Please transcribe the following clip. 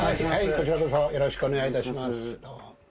こちらこそよろしくお願い致します。